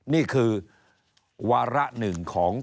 นี่คือวาระหนึ่งของ